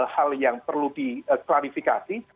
hal yang perlu diklarifikasi